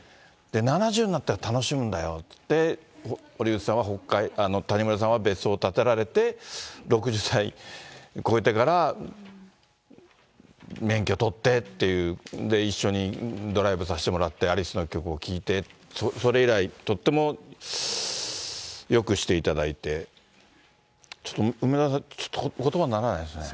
７０になったら楽しむんだよって言って、谷村さんは別荘を建てられて、６０歳こえてから免許取ってっていう、一緒にドライブさせてもらって、アリスの曲を聴いて、それ以来、とってもよくしていただいて、ちょっと梅沢さん、ことばにならないですね。